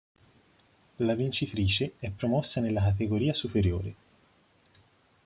La vincitrice è promossa nella categoria superiore.